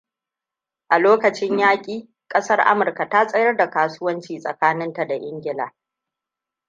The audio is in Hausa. A lokacin yaƙi, ƙasar Amurka ta tsayar da kasuwanci tsakaninta da Ingila.